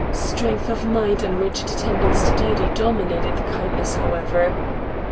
Strength of mind and rigid attendance to duty dominated the kindness, however.